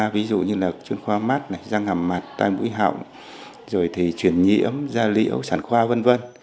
ví dụ như là chuyên khoa mắt răng hàm mặt tai mũi hậu rồi thì chuyển nhiễm da liễu sản khoa v v